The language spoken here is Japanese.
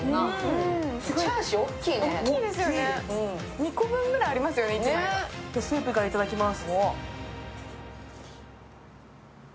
２個分くらいありますよね、１いでスープからいただきます。